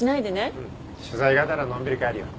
うん取材がてらのんびり帰るよ